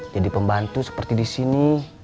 jadi pembantu seperti di sini